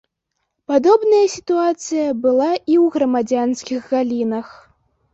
Падобная сітуацыя была і ў грамадзянскіх галінах.